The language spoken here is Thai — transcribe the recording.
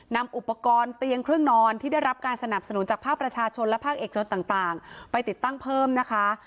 นำอุปกรณ์เตียงเครื่องนอนที่ได้รับการสนับสนุนจากภาคประชาชนและภาคเอกชนต่างไปติดตั้งเพิ่มนะคะ